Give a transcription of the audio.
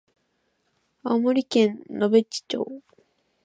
青森県野辺地町